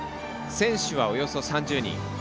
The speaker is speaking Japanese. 選手は、およそ３０人。